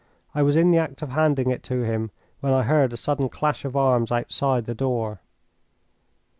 I was in the act of handing it to him when I heard a sudden clash of arms outside the door.